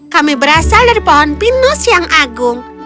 kami berasal dari pohon pinus yang agung